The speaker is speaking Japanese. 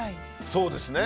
そうですね。